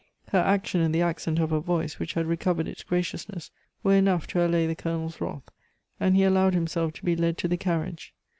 Her action and the accent of her voice, which had recovered its graciousness, were enough to allay the Colonel's wrath, and he allowed himself to be led to the carriage.